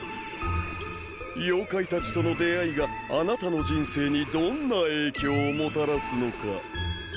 妖怪たちとの出会いがあなたの人生にどんな影響をもたらすのか。